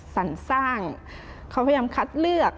สรรสร้างเขาพยายามคัดเลือก